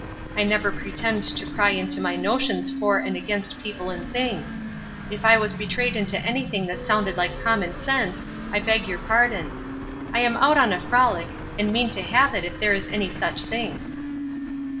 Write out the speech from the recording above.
I never pretend to pry into my notions for and against people and things; if I was betrayed into anything that sounded like common sense I beg your pardon. I am out on a frolic, and mean to have it if there is any such thing."